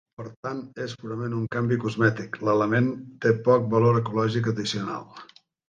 Per tant, és purament un canvi cosmètic, l'element té poc valor ecològic addicional.